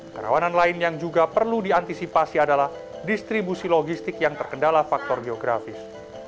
kerawanan lain yang juga perlu diantisipasi adalah distribusi logistik yang terkendala faktor geografis